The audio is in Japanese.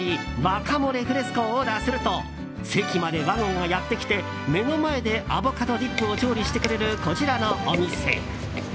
ワカモレ・フレスコをオーダーすると席までワゴンがやってきて目の前でアボカドディップを調理してくれる、こちらのお店。